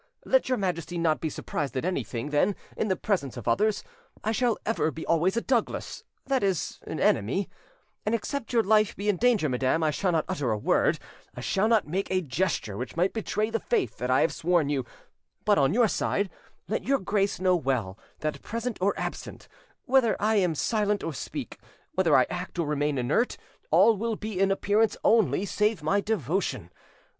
Let your Majesty not be surprised at anything, then: in the presence of others, I shall ever be always a Douglas, that is an enemy; and except your life be in danger, madam, I shall not utter a word, I shall not make a gesture which might betray the faith that I have sworn you; but, on your side, let your grace know well, that present or absent, whether I am silent or speak, whether I act or remain inert, all will be in appearance only, save my devotion.